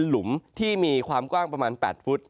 หลุมที่มีความกว้างประมาณ๘ฟุต